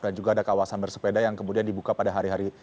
dan juga ada kawasan bersepeda yang kemudian dibuka pada hari hari